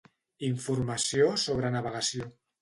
Informació sobre navegació.